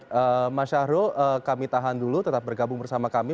baik mas syahrul kami tahan dulu tetap bergabung bersama kami